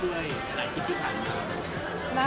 ก็โอเคค่ะ